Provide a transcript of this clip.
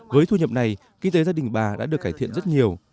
với thu nhập này kinh tế gia đình bà đã được cải thiện rất nhiều